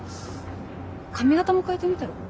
髪形も変えてみたら？